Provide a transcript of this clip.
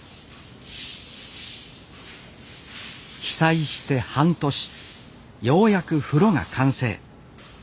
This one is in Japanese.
被災して半年ようやく風呂が完成。